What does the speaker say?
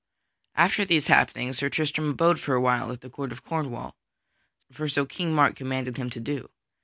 _ After these happenings, Sir Tristram abode for awhile at the Court of Cornwall, for so King Mark commanded him to do.